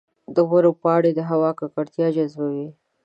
د ونو پاڼې د هوا ککړتیا جذبوي.